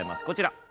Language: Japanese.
こちら。